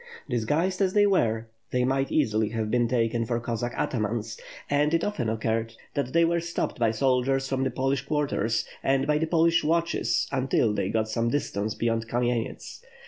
Disguised as they were, they might easily have been taken for Cossack atamans, and it often occurred that they were stopped by soldiers from the Polish quarters, and by the Polish watches, until they got some distance beyond Kam enets.